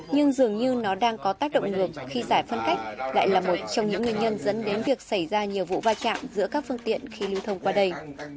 nhưng dường như nó đang có tác động ngược khi giải phân cách lại là một trong những nguyên nhân dẫn đến việc xảy ra nhiều vụ va chạm giữa các phương tiện khi lưu thông qua đây